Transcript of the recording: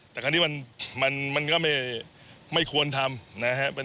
แต่คราวนี้มันก็ไม่ควรทำนะครับ